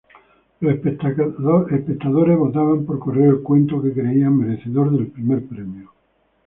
Los espectadores votaban por correo el cuento que creían merecedor del primer premio.